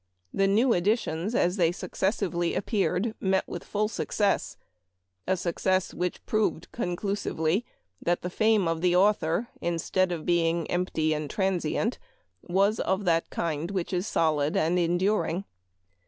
The new editions as they successively appeared met with full success ; a success which proved conclusively that the fame of the author, instead of being empty and transient, was of that kind which is solid and enduring.